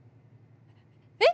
えっ？